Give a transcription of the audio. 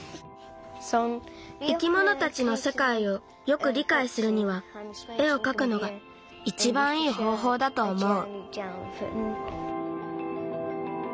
生き物たちのせかいをよくりかいするにはえをかくのがいちばんいいほうほうだとおもう。